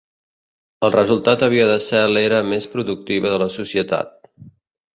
El resultat havia de ser l'era més productiva de la societat.